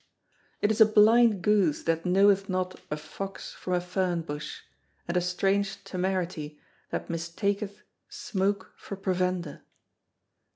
It is a blind goose that knoweth not a fox from a fern bush, and a strange temerity that mistaketh smoke for provender.